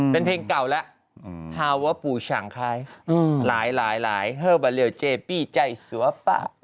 เป็นเพลงเก่าแล้วฮาวะปูชังคายหลายหลายหลายเห้อบะเรียวเจปี้ใจสวปะ